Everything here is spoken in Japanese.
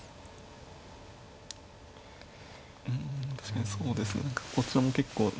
うん確かにそうですね何かこちらも結構。